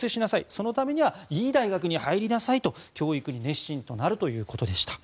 そのためにはいい大学に入りなさいと教育に熱心になるということでした。